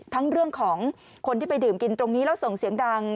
เรื่องของคนที่ไปดื่มกินตรงนี้แล้วส่งเสียงดัง